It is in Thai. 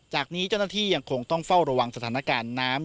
จากนี้เจ้าหน้าที่ยังคงต้องเฝ้าระวังสถานการณ์น้ำ